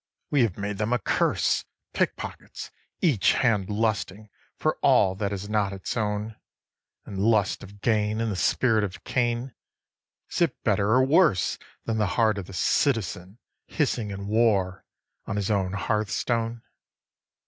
we have made them a curse, Pickpockets, each hand lusting for all that is not its own; And lust of gain, in the spirit of Cain, is it better or worse Than the heart of the citizen hissing in war on his own hearthstone?